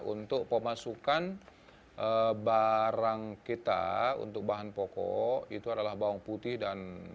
untuk pemasukan barang kita untuk bahan pokok itu adalah bawang putih dan